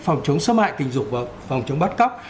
phòng chống xâm hại tình dục và phòng chống bắt cóc